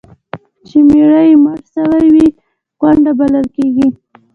چي میړه یې مړ سوی وي، کونډه بلل کیږي.